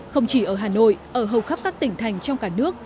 không chỉ ở hà nội ở hầu khắp các tỉnh thành trong cả nước